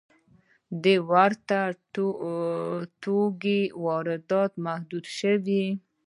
د ورته توکو واردات محدود شوي؟